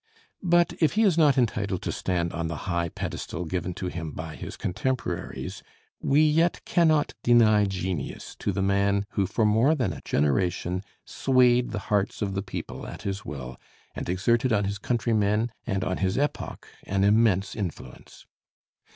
But if he is not entitled to stand on the high pedestal given to him by his contemporaries, we yet cannot deny genius to the man who for more than a generation swayed the hearts of the people at his will, and exerted on his countrymen and on his epoch an immense influence.